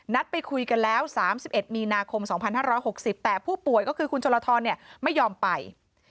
ไปคุยกันแล้ว๓๑มีนาคม๒๕๖๐แต่ผู้ป่วยก็คือคุณชลทรไม่ยอมไป